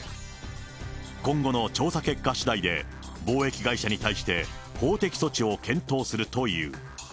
今後の調査結果しだいで、貿易会社に対して、法的措置を検討するという。